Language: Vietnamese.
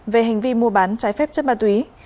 về hành vi mua bán trái phép chất ma túy